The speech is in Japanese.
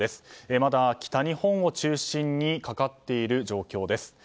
まだ北日本を中心にかかっている状況です。